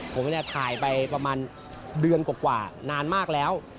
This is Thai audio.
ผมเนี่ยถ่ายไปประมาณเดือนกว่านานมากแล้ว